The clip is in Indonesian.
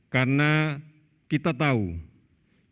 karena kita tahu bahwa penularan di luar rumah